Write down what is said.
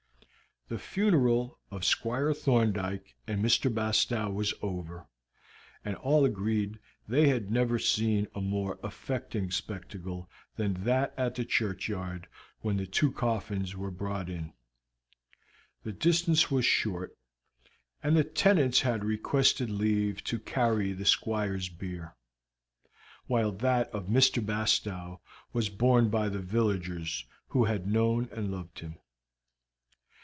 The funeral of Squire Thorndyke and Mr. Bastow was over, and all agreed they had never seen a more affecting spectacle than that at the churchyard when the two coffins were brought in. The distance was short, and the tenants had requested leave to carry the Squire's bier, while that of Mr. Bastow was borne by the villagers who had known and loved him.